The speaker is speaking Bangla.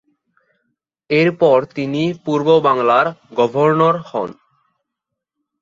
এরপর তিনি পূর্ব বাংলার গভর্নর হন।